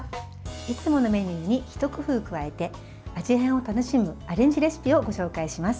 いつものメニューに一工夫加えて味変を楽しむアレンジレシピをご紹介します。